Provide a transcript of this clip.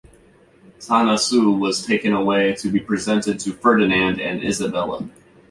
Tanausu was taken away to be presented to Ferdinand and Isabella.